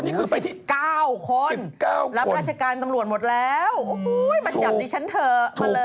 อู๋สิบเก้าคนรับราชการตำรวจหมดแล้วโอ้โหมาจับดิฉันเถอะมาเลย